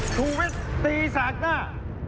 ชูวิตตีแสกหน้า